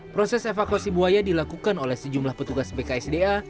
proses evakuasi buaya dilakukan oleh sejumlah petugas bksda